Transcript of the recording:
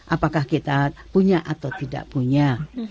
apakah kita punya atau tidak punya